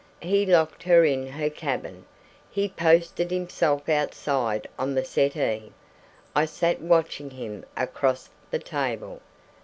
He locked her in her cabin. He posted himself outside on the settee. I sat watching him across the table.